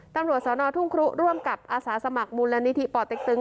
ตำรวจสนทุ่งครุร่วมกับอาสาสมัครมูลนิธิป่อเต็กตึง